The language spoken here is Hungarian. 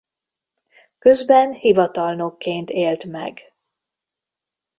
Közben hivatalnokként élt meg.